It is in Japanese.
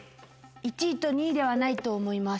１位と２位ではないと思います。